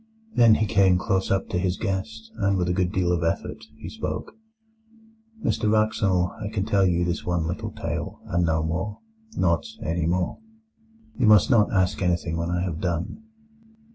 Then he came close up to his guest, and with a good deal of effort he spoke: "Mr Wraxall, I can tell you this one little tale, and no more—not any more. You must not ask anything when I have done.